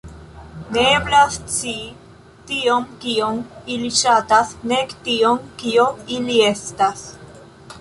Ne eblas scii tion, kion ili ŝatas, nek tion, kio ili estas.